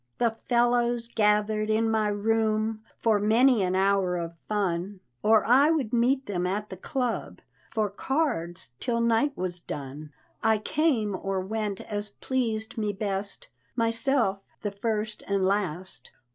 The fellows gathered in my room For many an hour of fun, Or I would meet them at the club For cards, till night was done. I came or went as pleased me best, Myself the first and last.